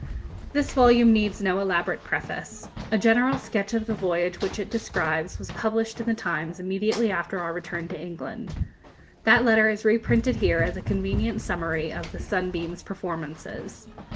This volume needs no elaborate preface. A general sketch of the voyage which it describes was published in the 'Times' immediately after our return to England. That letter is reprinted here as a convenient summary of the 'Sunbeam's' performances.